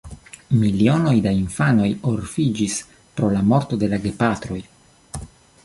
Milionoj da infanoj orfiĝis pro la morto de la gepatroj.